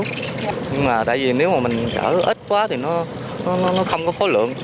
nhưng mà tại vì nếu mà mình chở ít quá thì nó không có khối lượng